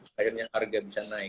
akhirnya harga bisa naik